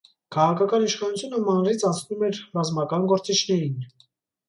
Քաղաքական իշխանությունը մանրից անցնում էր ռազմական գործիչներին։